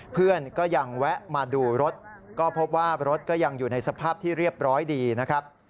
เพื่อนก็ยังแวะมาดูรถก็พบว่ารถก็ยังอยู่ในสภาพที่เรียบร้อยดีนะครับ